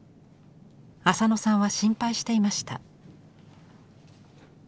浅野さんは心配していました。